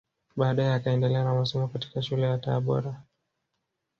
Baadae akaendelea na masomo katika shule ya Tabora